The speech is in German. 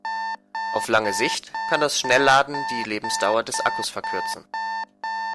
Auf lange Sicht kann das Schnellladen die Lebensdauer des Akkus verkürzen.